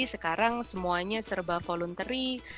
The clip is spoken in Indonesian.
sekarang semuanya serba voluntary